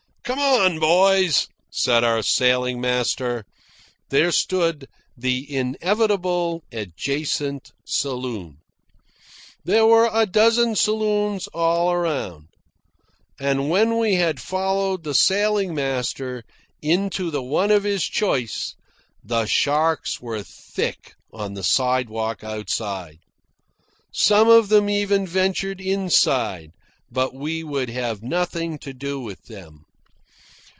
"Come on, boys," said our sailing master. There stood the inevitable adjacent saloon. There were a dozen saloons all around. And when we had followed the sailing master into the one of his choice, the sharks were thick on the sidewalk outside. Some of them even ventured inside, but we would have nothing to do with them.